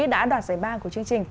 đã đoạt giải ba của chương trình